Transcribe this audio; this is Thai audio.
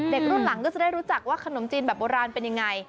เด็กรุ่นหลังก็จะได้รู้จักว่าขนมจีนแบบโบราณเป็นยังไง